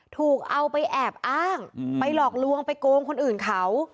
ถูกเอาไปแอบอ้างไปหลอกลวงไปโกงคนอื่นเขา